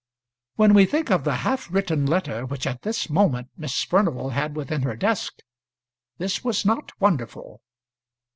When we think of the half written letter which at this moment Miss Furnival had within her desk, this was not wonderful.